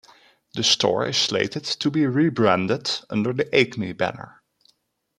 The store is slated to be rebranded under the Acme banner.